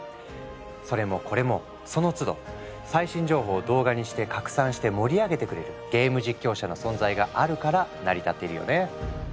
それもこれもそのつど最新情報を動画にして拡散して盛り上げてくれるゲーム実況者の存在があるから成り立っているよね。